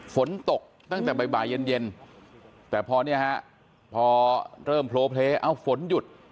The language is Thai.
ฝนตกตั้งแต่บ่ายเย็นแต่พอเนี่ยฮะพอเริ่มโพลเพลย์เอ้าฝนหยุด